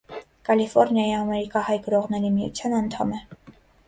Կալիֆոռնիայի ամերիկահայ գրողների միության անդամ է։